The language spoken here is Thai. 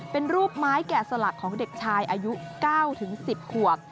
เป็นรูปไม้แกะสลักของเด็กชายอายุ๙๑๐ขวบ